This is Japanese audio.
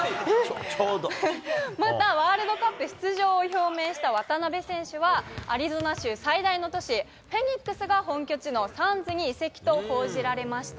またワールドカップ出場を表明した渡邊選手は、アリゾナ州最大の都市フェニックスが本拠地のサンズに移籍と報じられました。